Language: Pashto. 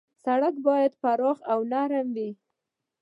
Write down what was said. سړک باید پراخ او نرم وي.